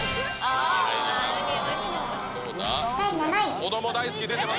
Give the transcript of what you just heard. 子ども大好き出てます。